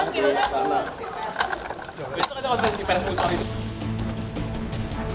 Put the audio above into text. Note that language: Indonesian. besok ada konfes di peres musuh